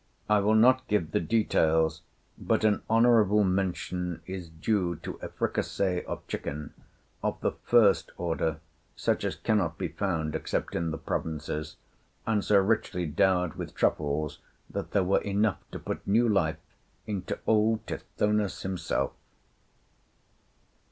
I will not give the details, but an honorable mention is due to a fricassée of chicken, of the first order, such as cannot be found except in the provinces, and so richly dowered with truffles that there were enough to put new life into old Tithonus himself."